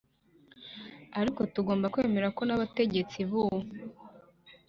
ariko tugomba kwemera ko n'abategetsi b'u